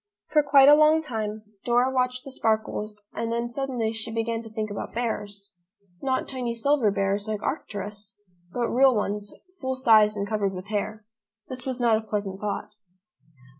For quite a long time Dora watched the sparkles and then suddenly she began to think about bears, not tiny silver bears like Arcturus, but real ones, full sized and covered with hair. This was not a pleasant thought.